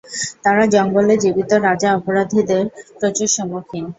তারা জঙ্গলে জীবিত রাজা অপরাধীদের প্রচুর সম্মুখীন।